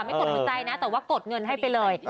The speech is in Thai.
กดหัวใจนะแต่ว่ากดเงินให้ไปเลย